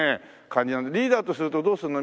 リーダーとするとどうするの？